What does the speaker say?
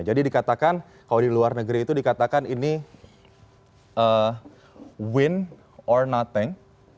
jadi dikatakan kalau di luar negeri itu dikatakan ini win or nothing